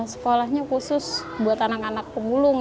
sekolahnya khusus buat anak anak pemulung